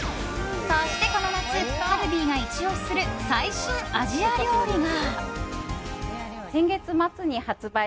そして、この夏カルディがイチ押しする最新アジア料理が。